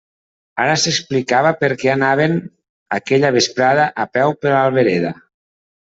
Ara s'explicava per què anaven aquella vesprada a peu per l'Albereda.